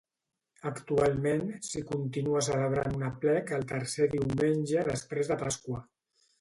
Actualment s'hi continua celebrant un aplec el tercer diumenge després de Pasqua.